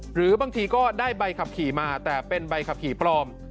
หรือบางทีก็ได้ใบขับขี่มาแต่เป็นใบขับขี่ปลอม